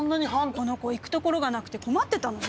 この子行く所がなくて困ってたのよ！